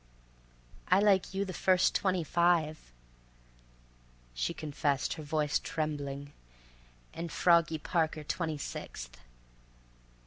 "I like you the first twenty five," she confessed, her voice trembling, "and Froggy Parker twenty sixth."